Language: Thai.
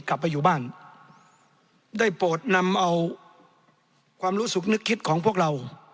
กลับไปอยู่บ้านได้โปรดนำเอาความรู้สึกนึกคิดของพวกเรา